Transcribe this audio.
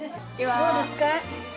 どうですか？